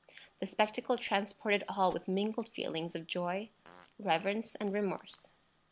The spectacle transported all with mingled feelings of joy, reverence, and remorse.